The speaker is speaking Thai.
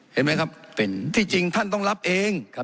เห็นไหมครับเป็นที่จริงท่านต้องรับเอง